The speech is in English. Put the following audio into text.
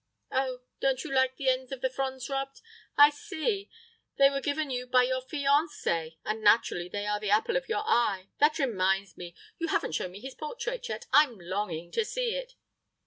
"Oh, don't you like the ends of the fronds rubbed?... I see, they were given you by your fiancé, and naturally they are the apple of your eye. That reminds me, you haven't shown me his portrait yet. I'm longing to see it....